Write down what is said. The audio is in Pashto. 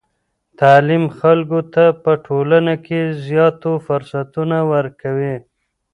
تعلیم خلکو ته په ټولنه کې زیاتو فرصتونو ورکوي.